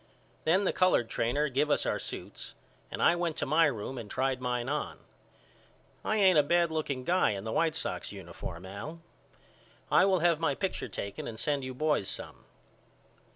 Then the colored trainer give us our suits and I went to my room and tried mine on. I ain't a bad looking guy in the White Sox uniform Al. I will have my picture taken and send you boys some.